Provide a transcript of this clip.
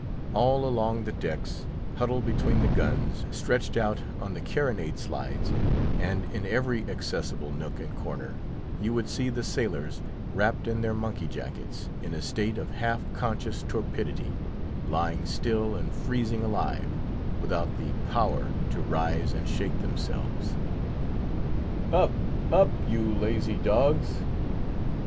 All along the decks, huddled between the guns, stretched out on the carronade slides, and in every accessible nook and corner, you would see the sailors wrapped in their monkey jackets, in a state of half conscious torpidity, lying still and freezing alive, without the power to rise and shake themselves. "Up—up, you lazy dogs!"